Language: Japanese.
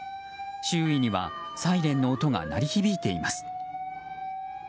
周囲にはサイレンの音が鳴り響いています。